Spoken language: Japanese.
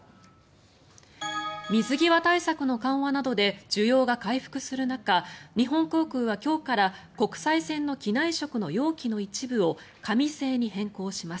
水際対策の緩和などで需要が回復する中日本航空は今日から国際線の機内食の容器の一部を紙製に変更します。